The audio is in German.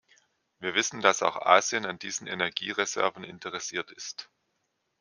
Wir wissen, dass auch Asien an diesen Energiereserven interessiert ist.